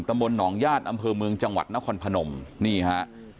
ตำบลหนองญาติอำเภอเมืองจังหวัดนครพนมนี่ฮะ